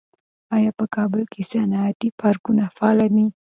آیا په کابل کې صنعتي پارکونه فعال دي؟